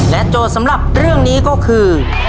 โจทย์สำหรับเรื่องนี้ก็คือ